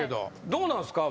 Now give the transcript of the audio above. どうなんすか？